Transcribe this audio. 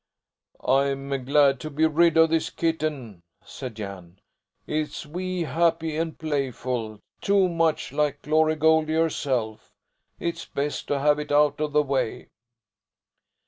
"I'm glad to be rid of this kitten," said Jan. "It's wee happy and Playful too much like Glory Goldie herself. It's best to have it out of the way."